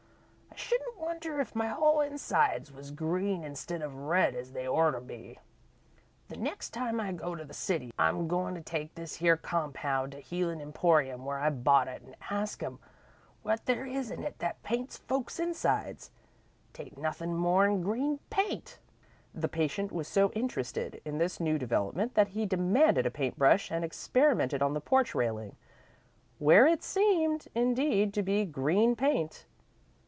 I shouldn't wonder if my whole insides was green instead of red as they orter be. The next time I go to the City, I'm goin' to take this here compound to the healin' emporium where I bought it, an' ask 'em what there is in it that paints folk's insides. 'Tain't nothin' more 'n green paint." The patient was so interested in this new development that he demanded a paint brush and experimented on the porch railing, where it seemed, indeed, to be "green paint."